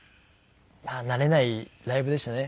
慣れないライブでしたね。